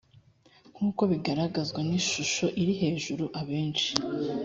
nkuko bigaragazwa n ishusho iri hejuru abenshi